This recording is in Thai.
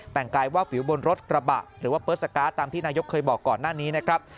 แต่งกายวาบวิวบนรถกระบะหรือว่าเปิดสการ์ดตามที่นายกเคยบอกก่อนหน้านี้นะครับ